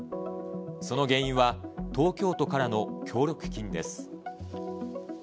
その原因は東京都からの協力金です。